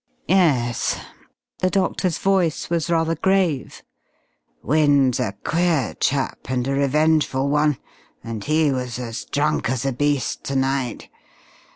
"Yes." The doctor's voice was rather grave. "Wynne's a queer chap and a revengeful one. And he was as drunk as a beast to night....